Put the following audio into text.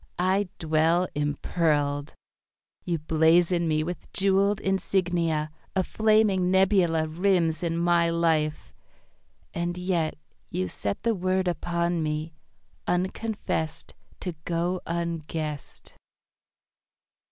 I dwell impearled. You blazon me with jewelled insignia. A flaming nebula Rims in my life. And yet You set The word upon me, unconfessed To go unguessed.